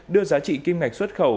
đưa giá trị kim ngạch xuất khẩu